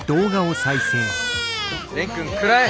蓮くん食らえ！